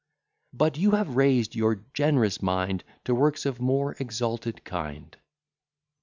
But you have raised your generous mind To works of more exalted kind.